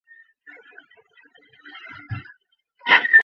贬为川州刺史。